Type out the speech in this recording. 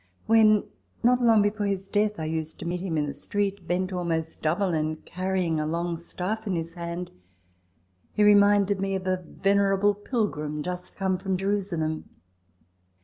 When, not long before his death, I used to meet him in the street, bent almost double, and carrying a long staff in his hand, he reminded me of a venerable pilgrim just come from Jerusalem.